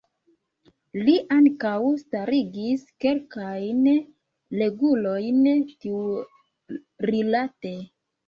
Li ankaŭ starigis kelkajn regulojn tiurilate.